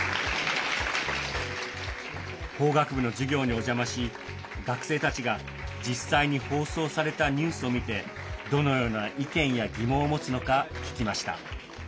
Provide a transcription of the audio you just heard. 法学部の授業にお邪魔し学生たちが実際に放送されたニュースを見てどのような意見や疑問を持つのか聞きました。